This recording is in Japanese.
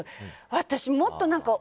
私、もっと。